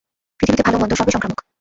পৃথিবীতে ভাল মন্দ সবই সংক্রামক।